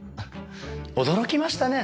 驚きましたね。